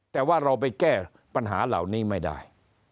แต่ว่าเราไปแก้ปัญหาเหล่านี้ไม่ได้